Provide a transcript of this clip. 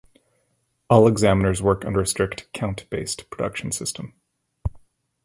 All examiners work under a strict, "count"-based production system.